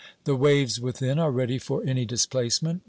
The waves within are ready for any displacement.